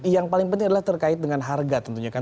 yang paling penting adalah terkait dengan harga tentunya kan